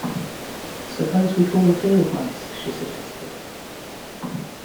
"Suppose we call the Field Mice," she suggested.